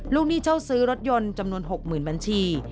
หนี้เช่าซื้อรถยนต์จำนวน๖๐๐๐บัญชี